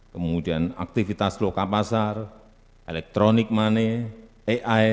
kemudian aktivitas lokal pasar electronic money ai